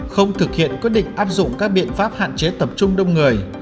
không thực hiện quyết định áp dụng các biện pháp hạn chế tập trung đông người